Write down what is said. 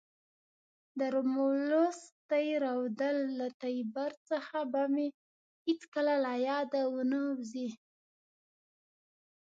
د رومولوس تی رودل له تیبر څخه به مې هیڅکله له یاده ونه وزي.